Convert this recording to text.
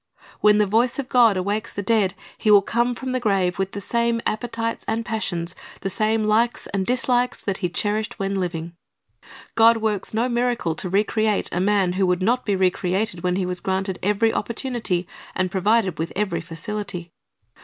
^ When the voice of God awakes the dead, he will come from the grave with the same appetites and passions, the same likes and dislikes, that he cherished when living. God works no miracle to re create a man who would not be re created when he was granted every opportunity and provided with every facility.